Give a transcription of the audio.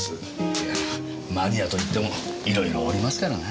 いやマニアといってもいろいろおりますからな。